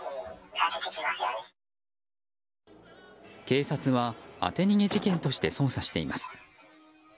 警察は、当て逃げ事件として捜査しています。